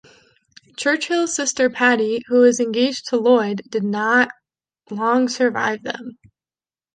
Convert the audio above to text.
Churchill's sister Patty, who was engaged to Lloyd, did not long survive them.